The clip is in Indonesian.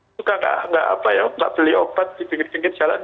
suka nggak beli obat di pinggir pinggir jalan